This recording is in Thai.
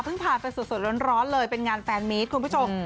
ผ่านไปสดร้อนเลยเป็นงานแฟนมีคุณผู้ชม